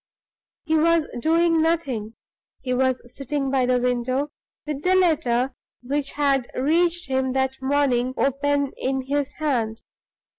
He was doing nothing. He was sitting by the window, with the letter which had reached him that morning open in his hand.